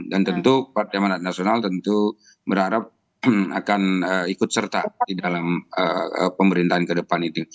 dan tentu partai amanat nasional tentu berharap akan ikut serta di dalam pemerintahan ke depan itu